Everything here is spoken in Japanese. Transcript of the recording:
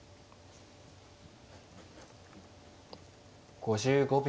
５５秒。